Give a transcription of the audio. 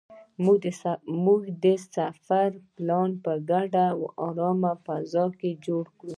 موږ د سفر پلان په ګډه او ارامه فضا کې جوړ کړ.